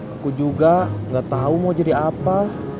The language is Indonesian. aku juga gak tahu mau jadi apa